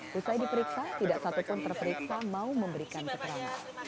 setelah diperiksa tidak satu pun terperiksa mau memberikan keterangan